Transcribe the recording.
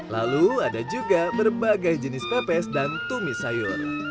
lalu ada juga berbagai jenis pepes dan tumis sayur